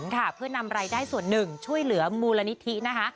ค่ะเพื่อนำรายได้ส่วนหนึ่งช่วยเหลือมูลนิธินะคะ